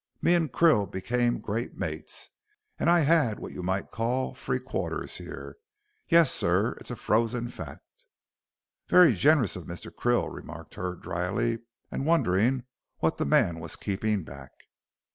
Me an' Krill became great mates, and I'd what you might call free quarters here yes, sir it's a frozen fact." "Very generous of Mr. Krill," remarked Hurd, dryly, and wondering what the man was keeping back.